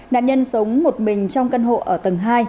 nạn nhân sống một mình trong căn hộ ở tầng hai